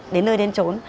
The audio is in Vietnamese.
đến nơi đến trốn